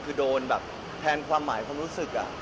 คือโดนแพลนความหมายความรู้สึกค่ะ